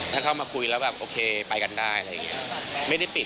ถ้าเข้ามาคุยแล้วแบบโอเคไปกันได้อะไรอย่างนี้